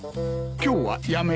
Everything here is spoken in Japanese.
今日はやめとく。